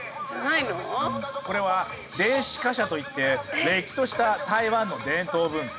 これは「電子花車」といってれっきとした台湾の伝統文化。